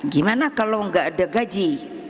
gimana kalau nggak ada gaji